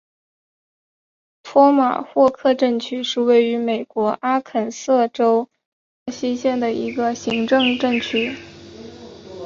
托马霍克镇区是位于美国阿肯色州瑟西县的一个行政镇区。